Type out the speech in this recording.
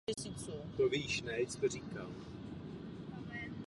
Původní nátěr těchto vozů byl tmavě zelený ve stylu Československých státních drah.